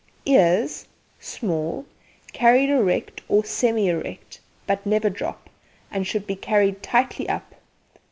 EARS Small, carried erect or semi erect, but never drop, and should be carried tightly up.